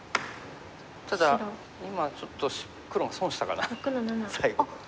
ただ今ちょっと黒が損したかな最後。